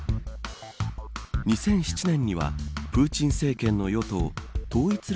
２００７年にはプーチン政権の与党統一